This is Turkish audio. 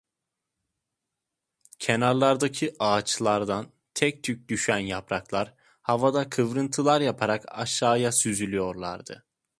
Kenarlardaki ağaçlardan tek tük düşen yapraklar havada kıvrıntılar yaparak aşağıya süzülüyorlardı.